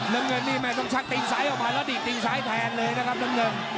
น้ำเงินนี่แม่ต้องชักตีนซ้ายออกมาแล้วดีกตินซ้ายแทนเลยนะครับน้ำเงิน